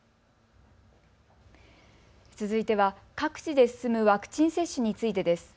続いては各地で進むワクチン接種についてです。